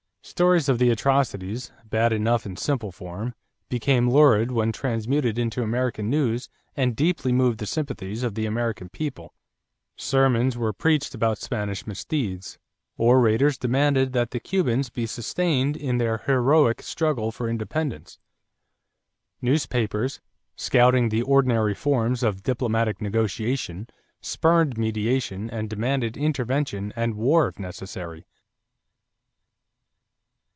Stories of the atrocities, bad enough in simple form, became lurid when transmuted into American news and deeply moved the sympathies of the American people. Sermons were preached about Spanish misdeeds; orators demanded that the Cubans be sustained "in their heroic struggle for independence"; newspapers, scouting the ordinary forms of diplomatic negotiation, spurned mediation and demanded intervention and war if necessary. [Illustration: _Underwood and Underwood, N.Y.